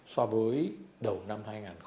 so với đầu năm hai nghìn hai mươi ba